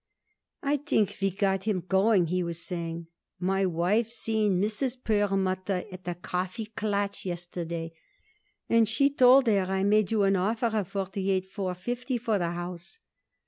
"I think we got him going," he was saying. "My wife seen Mrs. Perlmutter at a Kaffeeklatsch yesterday, and she told her I made you an offer of forty eight four fifty for the house.